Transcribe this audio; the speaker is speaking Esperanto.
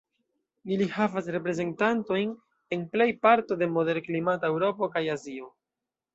Ili havas reprezentantojn en plej parto de moderklimata Eŭropo kaj Azio.